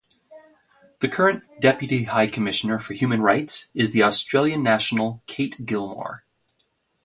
The current Deputy High Commissioner for Human Rights is the Australian national Kate Gilmore.